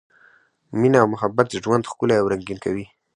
مینه او محبت ژوند ښکلی او رنګین کوي.